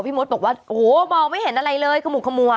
พี่มุษย์บอกว่าโอ้โหเบาไม่เห็นอะไรเลยขมูกขมัว